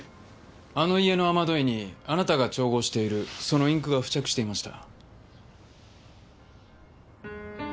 あの家の雨どいにあなたが調合しているそのインクが付着していました。